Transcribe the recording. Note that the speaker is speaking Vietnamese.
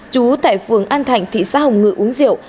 chú tại phường an thạnh thị xã hồng ngự uống rượu